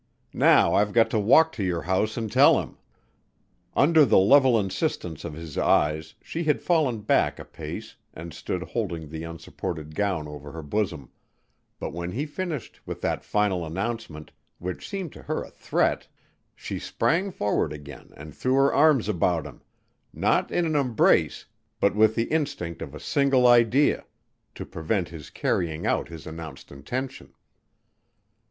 Now, I've got to walk to your house and tell him." Under the level insistence of his eyes she had fallen back a pace and stood holding the unsupported gown over her bosom, but when he finished with that final announcement, which seemed to her a threat, she sprang forward again and threw her arms about him, not in an embrace but with the instinct of a single idea: to prevent his carrying out his announced intention.